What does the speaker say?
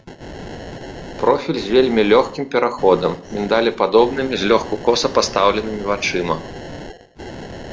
Профіль з вельмі лёгкім пераходам, міндалепадобнымі, злёгку коса пастаўленымі вачыма.